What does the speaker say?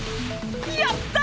やった！